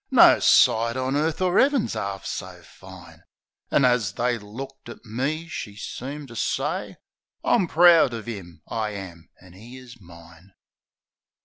No sight on earth or 'Eaving's 'arf so fine. An' as they looked at me she seemed to say "I'm proud of 'im, I am, an' 'e is mine."